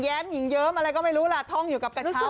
เย็มอะไรก็ไม่รู้ท่องอยู่กับเกาะเย้า